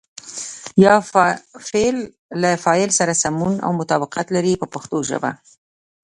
یا فعل له فاعل سره سمون او مطابقت لري په پښتو ژبه.